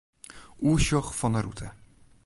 Oersjoch fan 'e rûte.